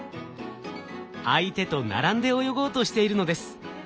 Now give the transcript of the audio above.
相手と並んで泳ごうとしているのです。